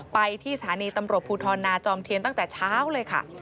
ไปที่สถานีตำรวจภูทรนาจอมเทียนตั้งแต่เช้าเลยค่ะ